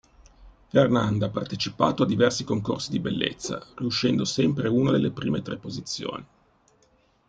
Fernanda partecipato a diversi concorsi di bellezza, riuscendo sempre una delle prime tre posizioni.